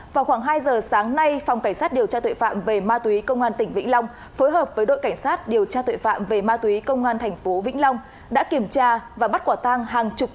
vào khoảng hai giờ sáng nay phòng cảnh sát điều tra tội phạm về ma tuế công an tỉnh vĩnh long phối hợp với đội cảnh sát điều tra tội phạm về ma tuế công an thành phố vĩnh long đã kiểm tra và bắt quả tăng hàng chục thanh